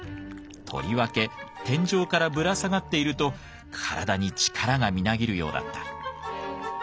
とりわけ天井からぶら下がっていると体に力がみなぎるようだった。